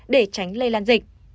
để tránh lây lan dịch